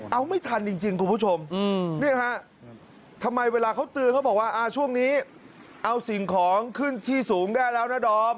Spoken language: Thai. เอาไม่ทันจริงคุณผู้ชมนี่ฮะทำไมเวลาเขาเตือนเขาบอกว่าช่วงนี้เอาสิ่งของขึ้นที่สูงได้แล้วนะดอม